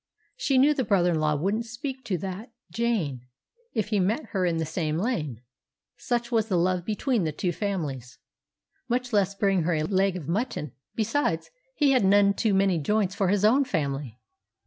She knew the brother in law wouldn't speak to "that Jane" if he met her in the same lane—such was the love between the two families—much less bring her a leg of mutton; besides, he had none too many joints for his own family.